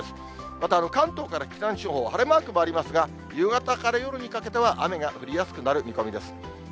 また関東から北の地方、晴れマークもありますが、夕方から夜にかけては、雨が降りやすくなる見込みです。